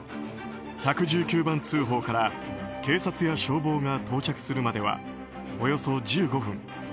１１９番通報から警察や消防が到着するまではおよそ１５分。